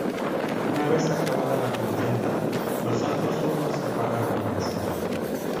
Pero una vez acabada la contienda los altos hornos se apagaron para siempre.